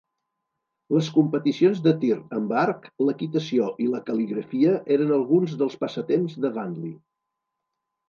Les competicions de tir amb arc, l'equitació i la cal·ligrafia eren alguns dels passatemps de Wanli.